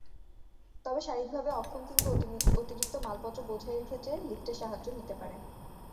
তবে শারীরিকভাবে অক্ষম কিংবা অতিরিক্ত মালপত্র বোঝাইয়ের ক্ষেত্রে লিফটের সাহায্য নিতে পারেন।